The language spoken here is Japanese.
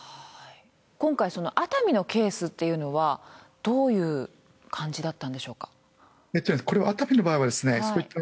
今回熱海のケースっていうのはどういう感じだったんでしょうか？